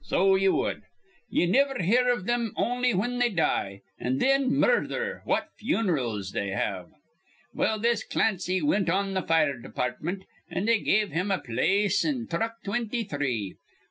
So ye wud. Ye niver hear iv thim on'y whin they die; an' thin, murther, what funerals they have! "Well, this Clancy wint on th' fire departmint, an' they give him a place in thruck twinty three.